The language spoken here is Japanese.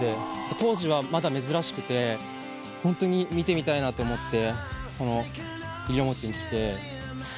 当時はまだ珍しくてホントに見てみたいなと思ってこの西表に来て。